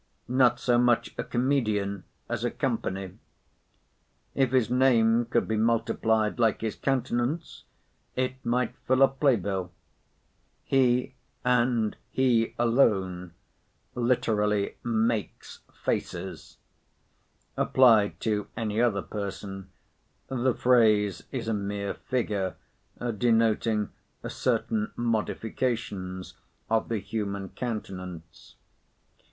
Not so much a comedian, as a company. If his name could be multiplied like his countenance, it might fill a play bill. He, and he alone, literally makes faces: applied to any other person, the phrase is a mere figure, denoting certain modifications of the human countenance.